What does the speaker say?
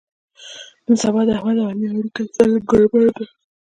نن سبا د احمد او علي اړیکه سره ګړبړ ده.